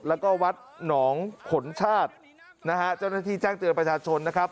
แล้วก็วัดหนองขนชาติเจ้าหน้าที่แจ้งเจือนประชาชน